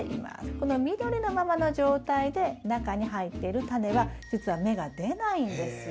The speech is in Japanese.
この緑のままの状態で中に入っているタネはじつは芽が出ないんですよ。